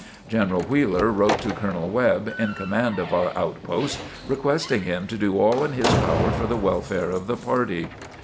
General Wheeler wrote to Colonel Webb, in command of our outposts, requesting him to do all in his power for the welfare of the party.